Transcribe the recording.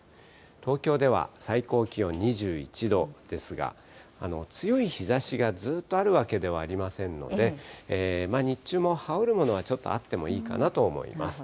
東京では最高気温２１度ですが、強い日ざしがずっとあるわけではありませんので、日中も羽織るものはちょっとあってもいいかなと思います。